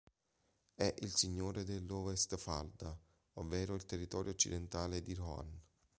È il signore dell'Ovestfalda, ovvero il territorio occidentale di Rohan.